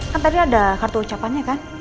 kan tadi ada kartu ucapannya kan